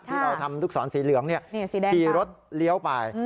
ที่เราทำลูกศรสีเหลืองขี่รถเลี้ยวไป